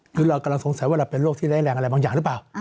คือเรากำลังสงสัยว่าเราเป็นโรคที่แรงมันอย่างรึเปล่า